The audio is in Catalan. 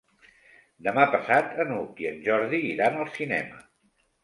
Demà passat n'Hug i en Jordi iran al cinema.